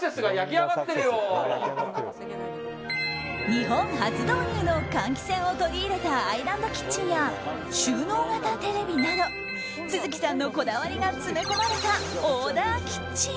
日本初導入の換気扇を取り入れたアイランドキッチンや収納型テレビなど續さんのこだわりが詰め込まれたオーダーキッチン。